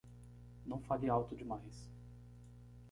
Não fale alto demais.